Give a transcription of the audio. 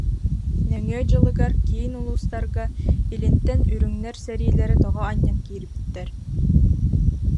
Нөҥүө дьылыгар киин улуустарга илинтэн үрүҥнэр сэриилэрэ тоҕо анньан киирбиттэр